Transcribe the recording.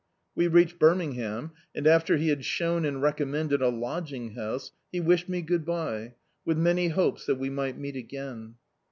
We reached Birmingham, and, after he had shown and recommended a lodging house, he wished me good bye, with many hopes that we might meet again.